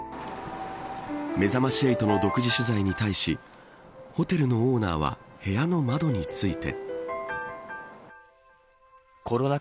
めざまし８の独自取材に対しホテルのオーナーは部屋の窓について。